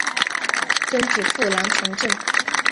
曾祖父兰从政。